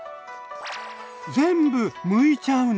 全部むいちゃうの？